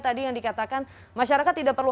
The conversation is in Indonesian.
tadi yang dikatakan masyarakat tidak perlu